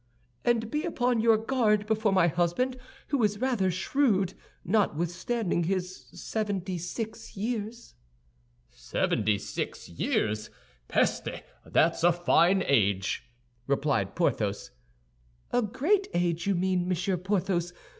"And be upon your guard before my husband, who is rather shrewd, notwithstanding his seventy six years." "Seventy six years! Peste! That's a fine age!" replied Porthos. "A great age, you mean, Monsieur Porthos.